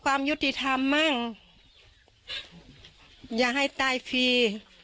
ความยุติธรรมมั่งอย่าให้ตายฟรี